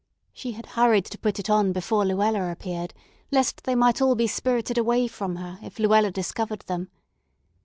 She had hurried to put it on before Luella appeared, lest they might all be spirited away from her if Luella discovered them.